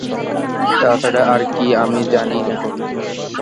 তাছাড়া আর কি আমি জানি না।